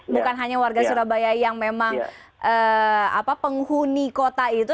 bukan hanya warga surabaya yang memang penghuni kota itu